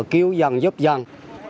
cứu dân giúp dân